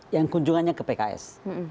yang kunjungannya ke pks